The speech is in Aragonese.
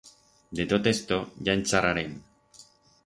De tot esto, ya en charrarem.